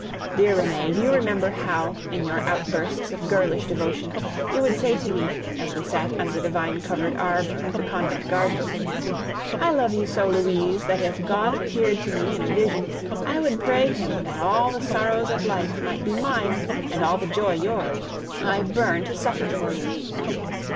Dear Renee, do you remember how, in your outbursts of girlish devotion, you would say to me, as we sat under the vine covered arbor of the convent garden, "I love you so, Louise, that if God appeared to me in a vision, I would pray Him that all the sorrows of life might be mine, and all the joy yours. I burn to suffer for you"?